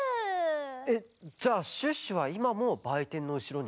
えっじゃあシュッシュはいまもばいてんのうしろに？